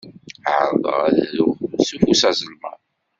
Ԑerḍeɣ ad aruɣ s ufus azelmaḍ.